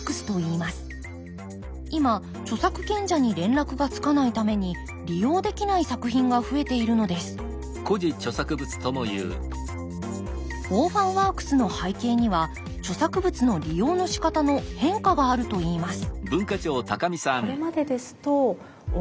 今著作権者に連絡がつかないために利用できない作品が増えているのですオーファンワークスの背景には著作物の利用のしかたの変化があるといいます